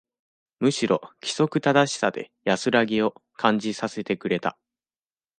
むしろ、規則正しさで、安らぎを、感じさせてくれた。